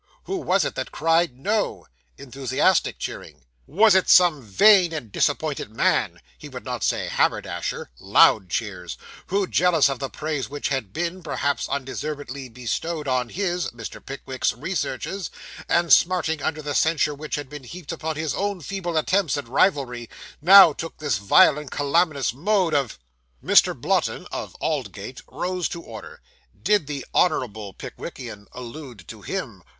Who was it that cried "No"? (Enthusiastic cheering.) Was it some vain and disappointed man he would not say haberdasher (loud cheers) who, jealous of the praise which had been perhaps undeservedly bestowed on his (Mr. Pickwick's) researches, and smarting under the censure which had been heaped upon his own feeble attempts at rivalry, now took this vile and calumnious mode of 'MR. BLOTTON (of Aldgate) rose to order. Did the honourable Pickwickian allude to him?